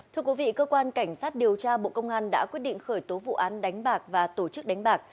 thưa quý vị cơ quan cảnh sát điều tra bộ công an đã quyết định khởi tố vụ án đánh bạc và tổ chức đánh bạc